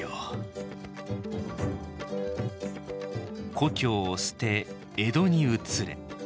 「故郷を捨て江戸に移れ」。